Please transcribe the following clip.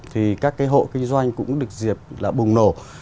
thì các cái hộ kinh doanh cũng được dịp là bùng nổ